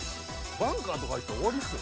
バンカーとかいったら終わりですよ。